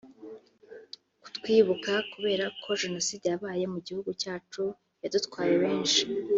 Twibuka kubera ko Jenoside yabaye mu gihugu cyacu yadutwaye benshi